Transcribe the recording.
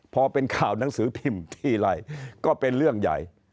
พอเป็นข่าวหนังสือพิมพ์ทีไรก็เป็นเรื่องใหญ่